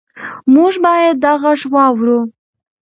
موږ باید دا غږ واورو.